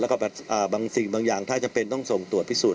แล้วก็บางสิ่งบางอย่างถ้าจำเป็นต้องส่งตรวจพิสูจน